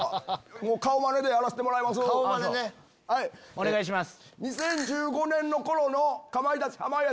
お願いします。